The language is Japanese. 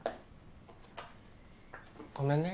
ごめんね。